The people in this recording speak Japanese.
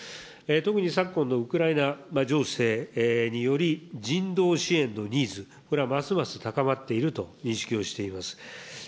特に昨今のウクライナ情勢により、人道支援のニーズ、これはますます高まっていると認識をしております。